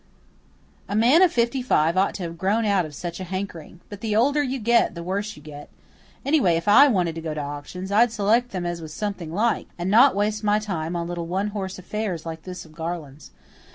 A man of fifty five ought to have grown out of such a hankering. But the older you get the worse you get. Anyway, if I wanted to go to auctions, I'd select them as was something like, and not waste my time on little one horse affairs like this of Garland's."